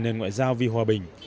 nền ngoại giao vì hòa bình